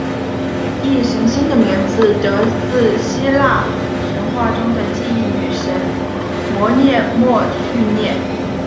忆神星的名字得自希腊神话中的记忆女神谟涅摩叙涅。